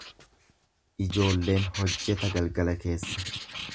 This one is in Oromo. Ijoolleen hojjeta galgala keessa.